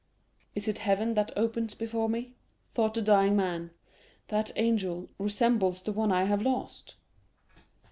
"Is it heaven that opens before me?" thought the dying man; "that angel resembles the one I have lost."